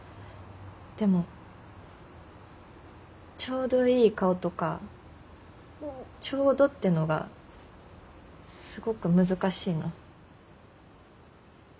でもちょうどいい顔とかちょうどってのがすごく難しいの。